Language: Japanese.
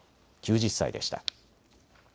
９０歳でした。